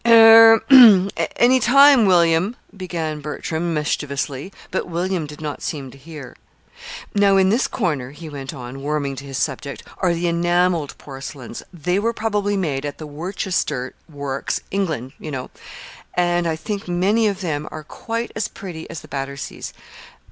"Er any time, William," began Bertram, mischievously; but William did not seem to hear. "Now in this corner," he went on, warming to his subject, "are the enamelled porcelains. They were probably made at the Worcester works England, you know; and I think many of them are quite as pretty as the Batterseas.